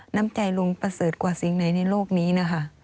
น้ำใจลุงประเสริฐกว่าสิ่งไหนในโลกนี้นะคะ